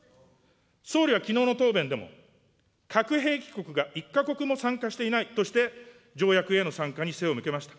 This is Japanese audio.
総理はきのうの答弁でも核兵器国が１か国も参加していないとして、条約への参加に背を向けました。